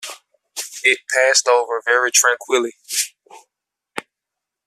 It passed over very tranquilly.